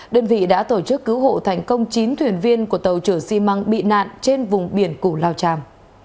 đơn vị đã tổ chức cứu hộ thành công chín thuyền viên của tàu trưởng xi măng bị nạn trên vùng biển củ lao tràm